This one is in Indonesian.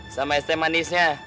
sama es teh manisnya